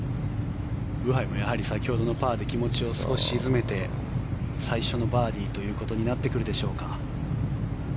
ブハイも先ほどのパーで少し気持ちを静めて最初のバーディーということになってくるでしょうか。